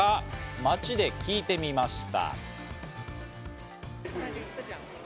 街で聞いてみました。